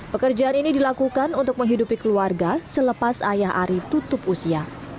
pekerjaan ini dilakukan untuk menghidupi keluarga selepas ayah ari tutup usia